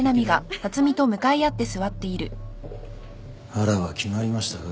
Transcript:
腹は決まりましたか？